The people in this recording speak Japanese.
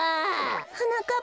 はなかっ